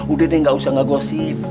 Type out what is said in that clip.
udah deh nggak usah ngegosip